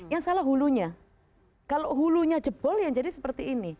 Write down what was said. yang salah hulunya kalau hulunya jebol yang jadi seperti ini